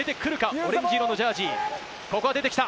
オレンジ色のジャージー、ここは出てきた！